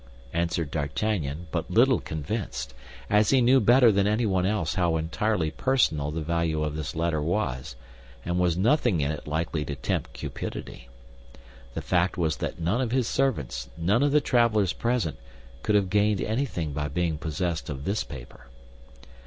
answered D'Artagnan, but little convinced, as he knew better than anyone else how entirely personal the value of this letter was, and saw nothing in it likely to tempt cupidity. The fact was that none of his servants, none of the travelers present, could have gained anything by being possessed of this paper.